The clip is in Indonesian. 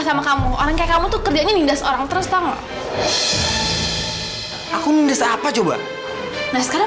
sama kamu orang kayak kamu tuh kerjanya nindas orang terus tahu aku mindasa apa coba nah sekarang